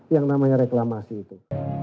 yang namanya reklamasi itu